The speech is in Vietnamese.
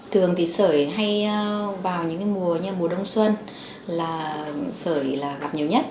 thường thì sởi hay vào những mùa đông xuân là sởi gặp nhiều nhất